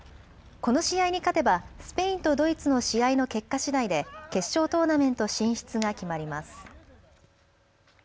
この試合に勝てばスペインとドイツの試合の結果しだいで決勝トーナメント進出が決まります。